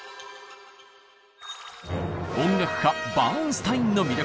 音楽家バーンスタインの魅力。